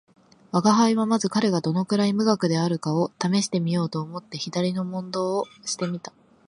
吾輩はまず彼がどのくらい無学であるかを試してみようと思って左の問答をして見た